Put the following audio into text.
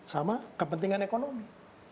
sama kepentingan ekonomi